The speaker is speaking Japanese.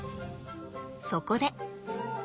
そこで。